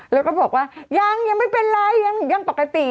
แล้วก็บอกว่ายังยังไม่เป็นไรยังปกติ